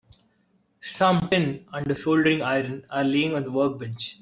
Some tin and a soldering iron are laying on the workbench.